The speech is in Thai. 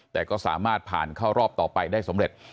แต่ก็สามารถผ่านเข้ารอบต่อไปได้สำเร็จ